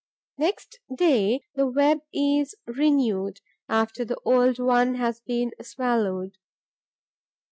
Next day, the web is renewed, after the old one has been swallowed.